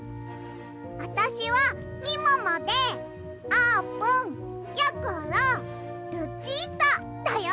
あたしはみももであーぷんやころルチータだよ！